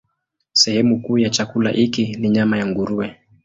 Sehemu kuu ya chakula hiki ni nyama ya nguruwe.